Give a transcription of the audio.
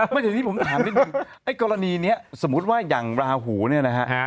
ไม่ใช่ที่ผมถามนิดนึงกรณีนี้สมมุติว่ายังลาหูเนี่ยนะฮะ